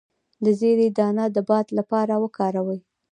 د زیرې دانه د باد لپاره وکاروئ